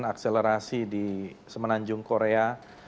akselerasi di semenanjung korea